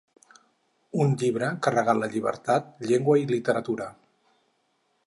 Un llibre que regala llibertat, llengua i literatura.